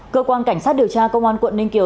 cơ quan cảnh sát điều tra công an quận ninh kiều